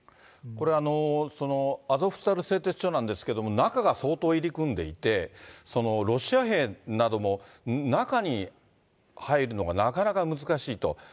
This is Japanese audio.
これはアゾフスタル製鉄所なんですけれども、中が相当入り組んでいて、ロシア兵なども、中に入るのがなかなか難しいと。